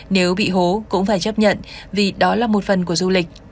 nếu bị hố cũng phải chấp nhận vì đó là một phần của du lịch